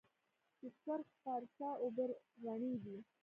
د سرخ پارسا اوبه رڼې دي